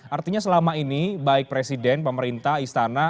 artinya selama ini baik presiden pemerintah istana